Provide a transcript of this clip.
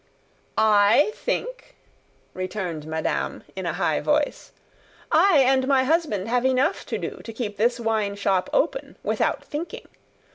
"I think?" returned madame, in a high voice. "I and my husband have enough to do to keep this wine shop open, without thinking.